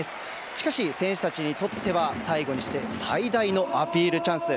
しかし、選手たちにとっては最後にして最大のアピールチャンス。